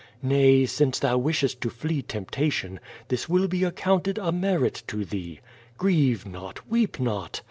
Nay, since tliou wishest to flee temptation, this will be accounted a merit to thee. Grieve not, weep not.